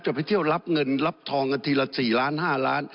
ไปเที่ยวรับเงินรับทองกันทีละ๔ล้าน๕ล้าน